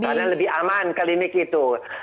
karena lebih aman klinik itu